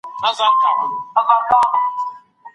ما نیولې نن ده بس روژه د محبت په نوم